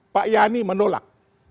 pak yani menolak